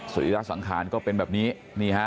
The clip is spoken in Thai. สิริรัสสังขาญก็เป็นแบบนี้นี่ฮะ